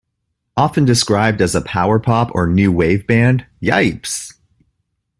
Often described as a power pop or new wave band, Yipes!